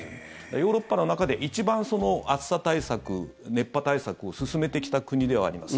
ヨーロッパの中で一番暑さ対策、熱波対策を進めてきた国ではあります。